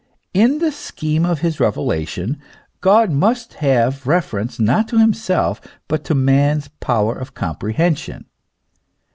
In the scheme of his revelation God must have reference not to himself, but to man's power of comprehension.